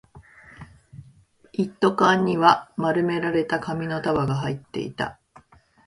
一斗缶には丸められた紙の束が入っていた